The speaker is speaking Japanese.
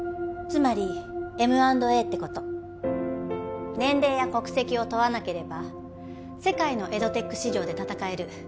つまりＭ＆Ａってこと年齢や国籍を問わなければ世界のエドテック市場で戦える